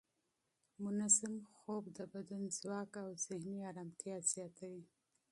منظم خوب د بدن ځواک او ذهني ارامتیا زیاتوي.